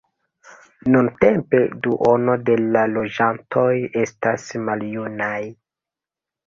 Nuntempe duono de la loĝantoj estas maljunaj.